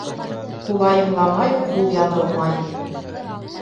Ҡулайымламай ҡул яҙылмай.